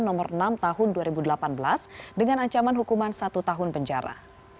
nomor enam tahun dua ribu delapan belas dengan ancaman hukuman satu tahun penjara